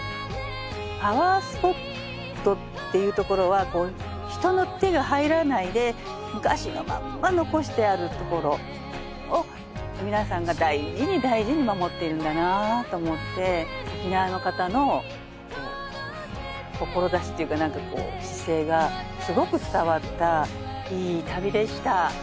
パワースポットっていうところは人の手が入らないで昔のまんま残してあるところを皆さんが大事に大事に守っているんだなと思って沖縄の方の志っていうかなんかこう姿勢がすごく伝わったいい旅でした。